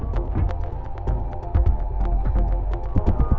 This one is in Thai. เพื่อนลาก่อนแบบนี้